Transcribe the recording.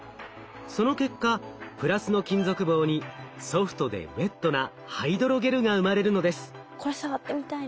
その結果プラスの金属棒にソフトでウエットなハイドロゲルが生まれるのです。